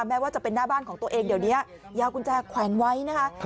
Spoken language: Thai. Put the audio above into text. แม้ว่าจะเป็นหน้าบ้านของตัวเองเดี๋ยวนี้ยาวกุญแจแขวนไว้นะคะ